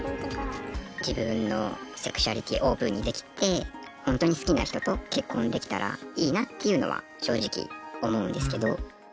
自分のセクシュアリティーをオープンにできて本当に好きな人と結婚できたらいいなっていうのは正直、思うんですけど。